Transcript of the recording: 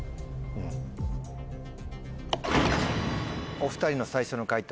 お２人の最初の解答